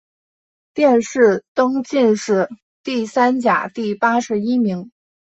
殿试登进士第三甲第八十一名。